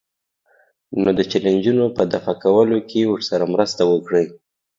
نو د چیلنجونو په دفع کولو کې ورسره مرسته وکړئ.